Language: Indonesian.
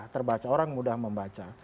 terbaca orang mudah membaca